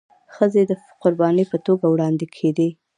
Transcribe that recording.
ښځي د قرباني په توګه وړاندي کيدي.